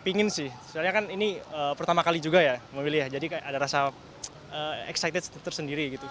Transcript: pingin sih soalnya kan ini pertama kali juga ya memilih ya jadi kayak ada rasa excited tersendiri gitu